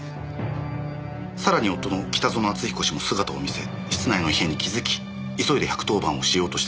さらに夫の北薗篤彦氏も姿を見せ室内の異変に気づき急いで１１０番をしようとした時。